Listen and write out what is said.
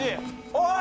おい！